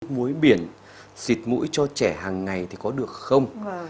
xịt mũi biển xịt mũi cho trẻ hàng ngày thì có được không